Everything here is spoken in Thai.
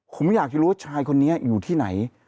ผมอยากจะรู้ว่าชายคนนี้อยู่ที่ไหน